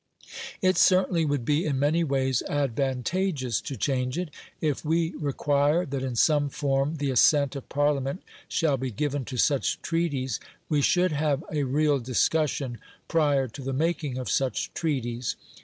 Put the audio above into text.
It certainly would be in many ways advantageous to change it. If we require that in some form the assent of Parliament shall be given to such treaties, we should have a real discussion prior to the making of such treaties.